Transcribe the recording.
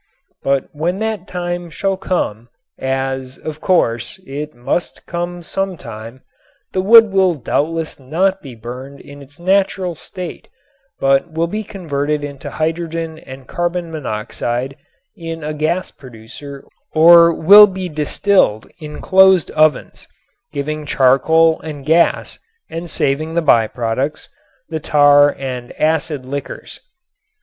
But when that time shall come, as, of course, it must come some time, the wood will doubtless not be burned in its natural state but will be converted into hydrogen and carbon monoxide in a gas producer or will be distilled in closed ovens giving charcoal and gas and saving the by products, the tar and acid liquors.